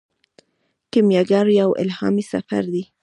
کیمیاګر یو الهامي سفر دی.